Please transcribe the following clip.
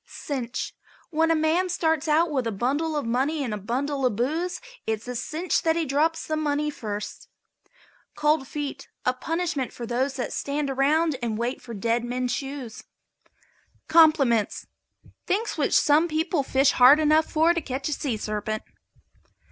CINCH. When a man starts out with a bundle of money and a bundle of booze it's a cinch that he drops the money first. COLD FEET. A punishment for those that stand around and wait for dead men's shoes. COMPLIMENTS. Things which some people fish for hard enough to catch a sea serpent.